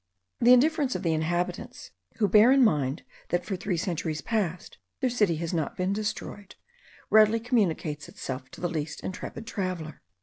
The indifference of the inhabitants, who bear in mind that for three centuries past their city has not been destroyed, readily communicates itself to the least intrepid traveller.